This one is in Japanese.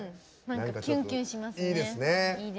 キュンキュンしますね。